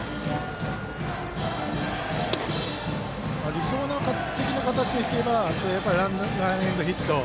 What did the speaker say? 理想的な形でいけばやっぱりランエンドヒット。